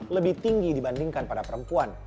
lebih tinggi dibandingkan pada perempuan